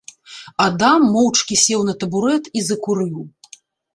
Адам моўчкі сеў на табурэт і закурыў.